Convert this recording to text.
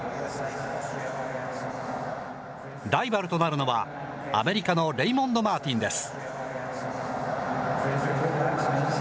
ライバルとなるのは、アメリカのレイモンド・マーティンです。